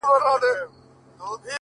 ما چي د ميني په شال ووهي ويده سمه زه ـ